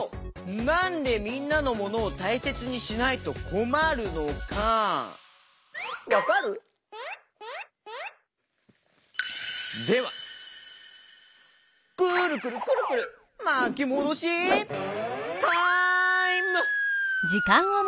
なんでみんなのモノをたいせつにしないとこまるのかわかる？ではくるくるくるくるまきもどしタイム！